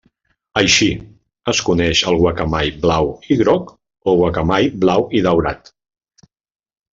Així, es coneix el guacamai blau i groc o guacamai blau i daurat.